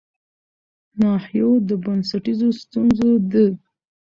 ناحيو د بنسټيزو ستونزو د